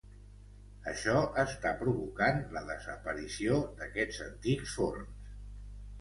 Això està provocant la desaparició d'aquests antics forns.